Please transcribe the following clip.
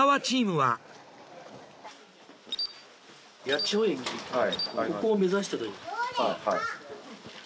はい。